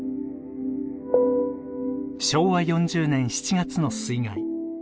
昭和４０年７月の水害。